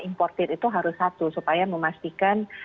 imported itu harus satu supaya memastikan